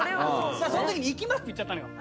だからそのときに「行きます」って言っちゃったのよ。